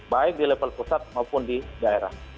baik di level pusat maupun di daerah